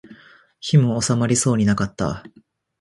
火も納まりそうもなかった